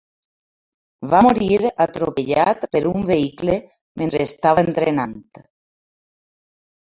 Va morir atropellat per un vehicle mentre estava entrenant.